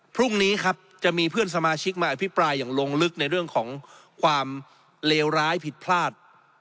พรุ่งนี้ครับจะมีเพื่อนสมาชิกมาอภิปรายอย่างลงลึกในเรื่องของความเลวร้ายผิดพลาด